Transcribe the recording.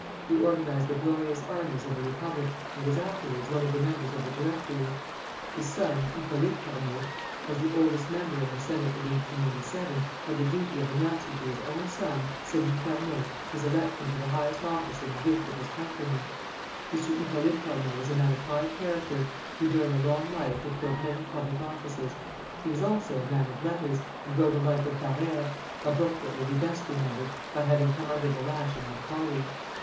He organized the glorious armies of the Republic, and was afterwards one of the members of the Directory. His son, Hippolyte Camot, as the oldest member in the Senate in 1887, had the duty of announcing to his own son, Sadi Carnot, his election to the highest office in the gift of his countrymen. M. Hippolyte Carnot was a man of high character, who during a long life had filled many public offices. He was also a man of letters, and wrote a Life of Barère, a book that will be best remembered by having come under the lash of Macaulay.